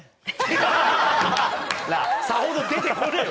さほど出てこねえよ